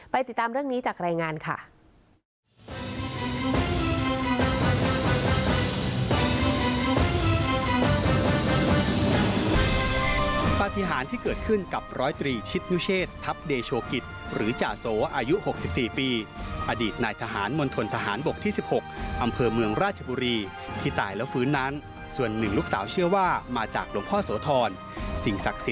ติดตามเรื่องนี้จากรายงานค่ะ